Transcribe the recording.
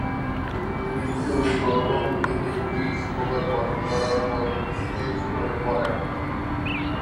কিন্তু প্রথম দিনে বিশ ওভার বোলিং করার পর নিস্তেজ হয়ে পড়েন।